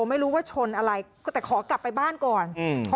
ไม่รู้ว่าชนอะไรก็แต่ขอกลับไปบ้านก่อนอืม